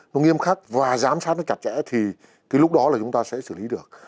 nó nghiêm khắc và giám sát nó chặt chẽ thì cái lúc đó là chúng ta sẽ xử lý được